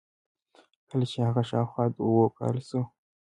کله چې هغه شاوخوا د اوو کالو شو.